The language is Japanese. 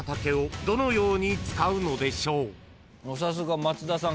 さすが松田さん。